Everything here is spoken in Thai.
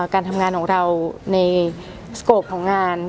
การทำงานของเราในวิธีค้าของงาน